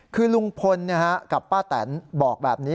คือลุงพลกับป้าแตนบอกแบบนี้